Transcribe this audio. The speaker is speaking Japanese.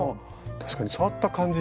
確かに触った感じ